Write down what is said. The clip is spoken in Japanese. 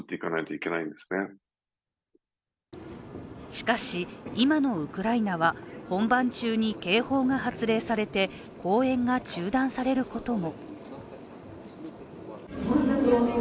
しかし、今のウクライナは本番中に警報が発令されて公演が中断されることも。